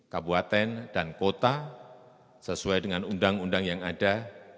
kabupaten dan kota sesuai dengan undang undang yang ada